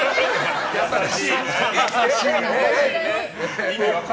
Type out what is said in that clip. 優しいね。